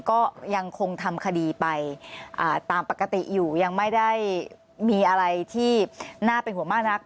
ก็ยังคงทำคดีไปตามปกติอยู่ยังไม่ได้มีอะไรที่น่าเป็นห่วงมากนัก